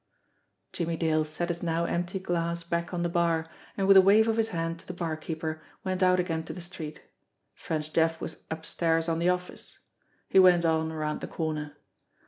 Jimmie Dale set his now empty glass back on the bar, and with a wave of his hand to the barkeeper, went out again to the street. French Jeff was "upstairs on de office." He went on around the corner.